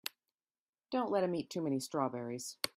Don't let him eat too many strawberries.